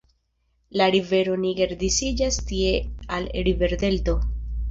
La rivero Niger disiĝas tie al riverdelto.